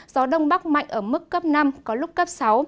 gió đông bắc mạnh ở mức cấp năm có lúc cấp sáu